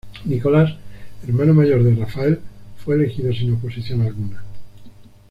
Nicolás, hermano mayor de Rafael, fue elegido sin oposición alguna.